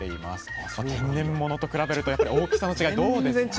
天然ものと比べるとやっぱり大きさの違いどうですか？